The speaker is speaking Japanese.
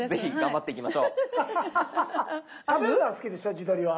食べるのは好きでしょ？地鶏は。